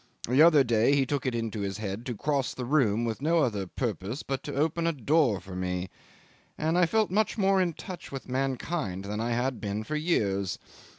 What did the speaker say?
The other day he took it into his head to cross the room with no other purpose but to open a door for me; and I felt more in touch with mankind than I had been for years.